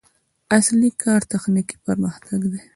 اصلي کار تخنیکي پرمختګ دی.